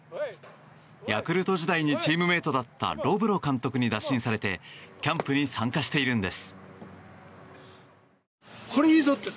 ヤクルト時代にチームメートだったロブロ監督に打診されてキャンプに参加しているんです。